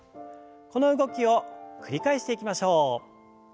この動きを繰り返していきましょう。